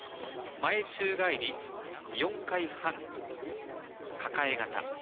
前宙返り４回半抱え型。